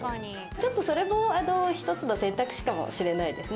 ちょっとそれも１つの選択肢かもしれないですね